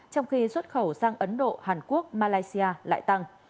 trong khi xuất khẩu sang ấn độ hàn quốc malaysia lại tăng